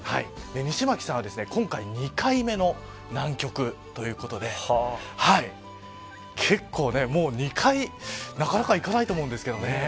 西巻さんは今回２回目の南極ということで２回は、なかなか行かないと思うんですけど。